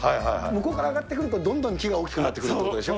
向こうから上がってくるとどんどん木が大きくなってくるということでしょ。